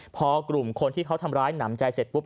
พอกลุ่มคนที่เขาทำร้ายหนำใจเสร็จปุ๊บ